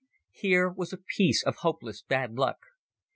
Here was a piece of hopeless bad luck.